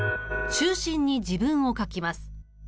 中心に自分を描きます。